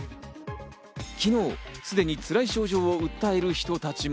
昨日すでに、つらい症状を訴える人たちも。